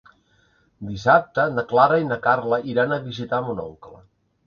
Dissabte na Clara i na Carla iran a visitar mon oncle.